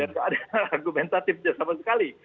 tentatifnya sama sekali